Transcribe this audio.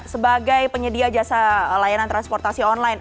sebagai penyedia jasa layanan transportasi online